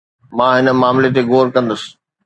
مان هن معاملي تي غور ڪندس